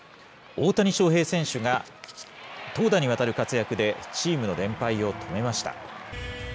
大谷翔平選手が、投打にわたる活躍で、チームの連敗を止めました。